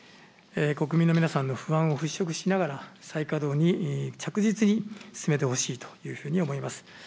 国民の皆さんの不安を払拭しながら、再稼働に着実に進めてほしいというふうに思います。